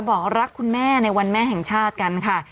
บอกรักคุณแม่ในวันแม่แห่งชาติกันค่ะ